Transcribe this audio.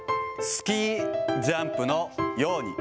スキージャンプのように。